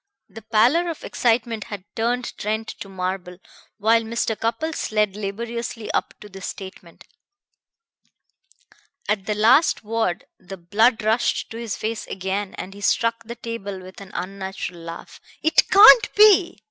The pallor of excitement had turned Trent to marble while Mr. Cupples led laboriously up to this statement. At the last word the blood rushed to his face again and he struck the table with an unnatural laugh. "It can't be!"